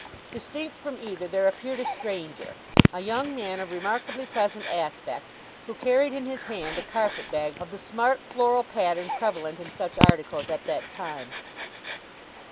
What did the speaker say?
Distinct from either there appeared a stranger—a young man of remarkably pleasant aspect—who carried in his hand a carpet bag of the smart floral pattern prevalent in such articles at that time.